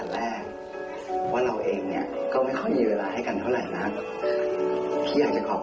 สวัสดีครับ